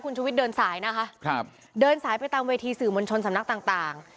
คุณชุวิตเดินสายนะครับไปตามเวทีสื่อมวลชนสำนักต่าง